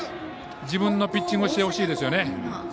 自分のピッチングしてほしいですよね。